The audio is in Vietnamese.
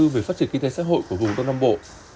về phát triển kinh tế xã hội của vùng đông nam bộ